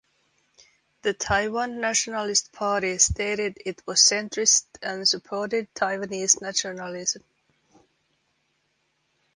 The Taiwan Nationalist Party stated it was centrist and supported Taiwanese nationalism.